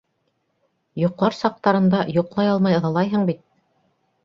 - Йоҡлар саҡтарында йоҡлай алмай ыҙалайһың бит...